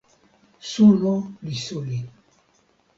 suno li suli.